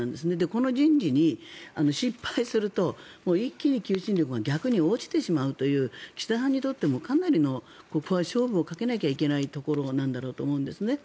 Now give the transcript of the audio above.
この人事に失敗すると一気に求心力が逆に落ちてしまうという岸田さんにとってもかなりのここは勝負をかけなきゃいけないところなんだろうと思うんですね。